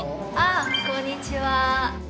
あこんにちは。